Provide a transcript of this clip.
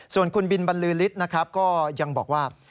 ส่วนขุนบินบันรือฤทธิ์นักภาพก็ยังบอกว่า